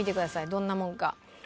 どんなもんか。